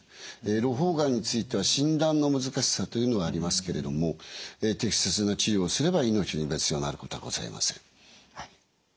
ろ胞がんについては診断の難しさというのはありますけれども適切な治療をすれば命に別状のあることはございません。